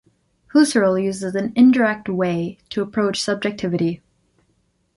Husserl uses an indirect way to approach subjectivity.